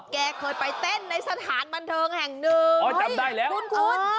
เก่าไปเต้นในสถานบรรเทิงแห่งหนึง